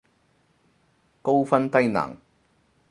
高分低能